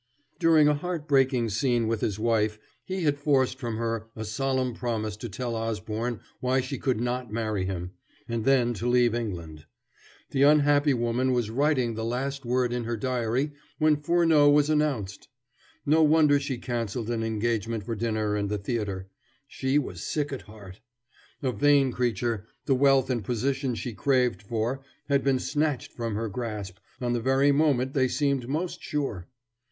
During a heart breaking scene with his wife he had forced from her a solemn promise to tell Osborne why she could not marry him, and then to leave England. The unhappy woman was writing the last word in her diary when Furneaux was announced! No wonder she canceled an engagement for dinner and the theater. She was sick at heart. A vain creature, the wealth and position she craved for had been snatched from her grasp on the very moment they seemed most sure.